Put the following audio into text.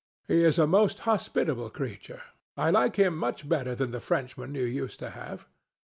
He is a most hospitable creature. I like him much better than the Frenchman you used to have.